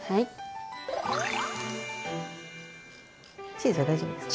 チーズは大丈夫ですか？